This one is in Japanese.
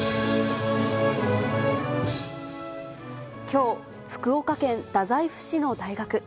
きょう、福岡県太宰府市の大学。